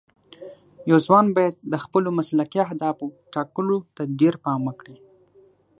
یو ځوان باید د خپلو مسلکي اهدافو ټاکلو ته ډېر پام وکړي.